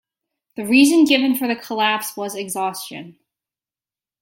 The reason given for the collapse was exhaustion.